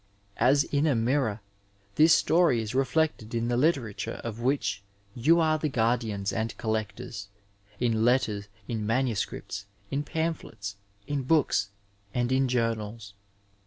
As in a mirror this story is reflected in tiie literature of which you are the guardians and collectoza — in letters, in manuscripts, in pamphlets, in books, and in journals.